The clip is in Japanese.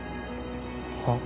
はっ？